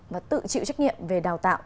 và tự chịu trách nhiệm về đào tạo